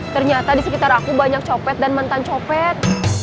ternyata di sekitar aku banyak copet dan mentan copet